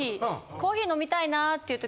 コーヒー飲みたいなっていう時。